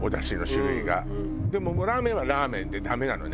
でもラーメンはラーメンでダメなのね。